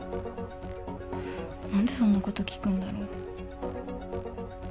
何でそんなこと聞くんだろ？